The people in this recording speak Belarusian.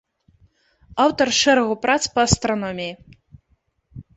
Аўтар шэрагу прац па астраноміі.